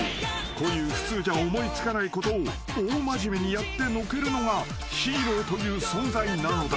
こういう普通じゃ思い付かないことを大真面目にやってのけるのがヒーローという存在なのだ］